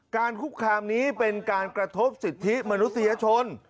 คุกคามนี้เป็นการกระทบสิทธิมนุษยชน